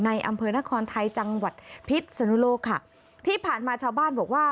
อำเภอนครไทยจังหวัดพิษสนุโลกค่ะที่ผ่านมาชาวบ้านบอกว่า